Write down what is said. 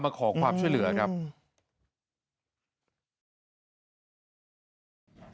หัวดูลาย